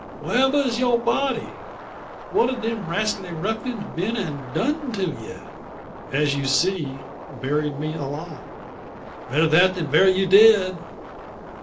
Wharever is you body? What have dem rascally ruffins been an' done to ye?" "As you see buried me alive." "Better that than bury you dead.